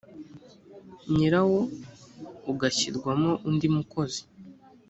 nyirawo ugashyirwamo undi mukozi